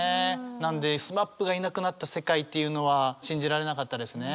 なんでＳＭＡＰがいなくなった世界っていうのは信じられなかったですね。